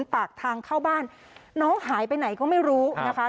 ปากทางเข้าบ้านน้องหายไปไหนก็ไม่รู้นะคะ